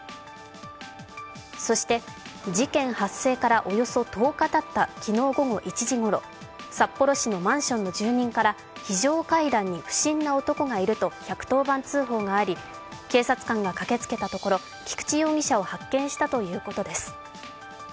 そして、事件発生からおよそ１０日たった昨日午後１時ごろ、札幌市のマンションの住人から非常階段に不審な男がいると１１０番通報があり、警察官が駆けつけたところ菊池容疑者を発見したということです。